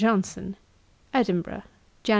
JOHNSON. 'Edinburgh, Jan.